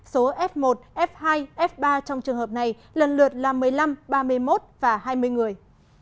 số f một f hai f ba trong trường hợp này lần lượt là một mươi năm ba mươi một và hai mươi người